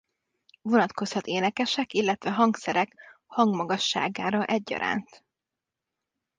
Vonatkozhat énekesek illetve hangszerek hangmagasságára egyaránt.